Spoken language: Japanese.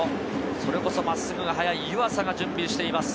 それこそ真っすぐが速い湯浅が準備しています。